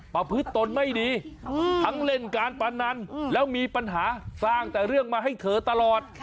ประพฤติตนไม่ดีทั้งเล่นการพนันแล้วมีปัญหาสร้างแต่เรื่องมาให้เธอตลอด